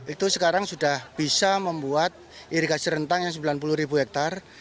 itu sekarang sudah bisa membuat irigasi rentang yang sembilan puluh ribu hektare